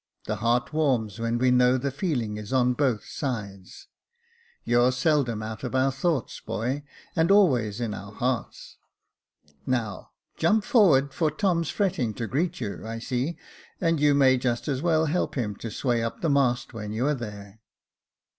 The heart warms when we know the feeling is on both sides. You're seldom out of our 262 Jacob Faithful thoughts, boy, and always in our hearts. Now, jump forward, for Tom's fretting to greet you, I see, and you may just as well help him to sway up the mast when you are there."